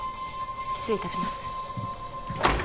失礼いたします